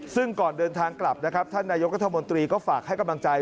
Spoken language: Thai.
ซึ่งก่อนเดินทางกลับนะครับท่านนายกรัฐมนตรีก็ฝากให้กำลังใจ